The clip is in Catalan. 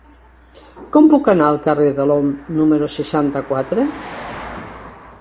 Com puc anar al carrer de l'Om número seixanta-quatre?